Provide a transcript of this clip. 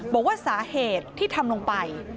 บอกว่าสาเหตุที่ทำลงไป